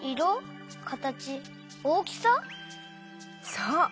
そう。